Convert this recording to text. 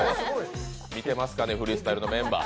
見てますかね、フリースタイルのメンバー。